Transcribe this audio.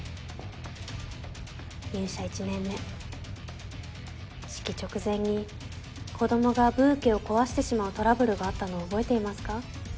入社１年目式直前に子供がブーケを壊してしまうトラブルがあったのを覚えていますか？